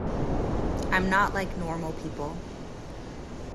I'm not like normal people.